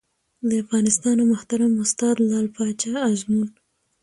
له افغانستانه محترم استاد لعل پاچا ازمون